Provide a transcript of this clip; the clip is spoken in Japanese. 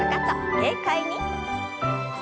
軽快に。